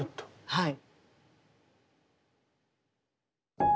はい。